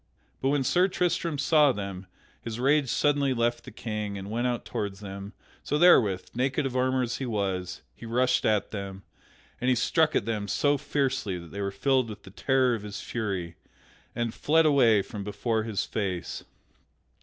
But when Sir Tristram saw them, his rage suddenly left the King and went out toward them; so therewith, naked of armor as he was, he rushed at them, and he struck at them so fiercely that they were filled with the terror of his fury, and fled away from before his face.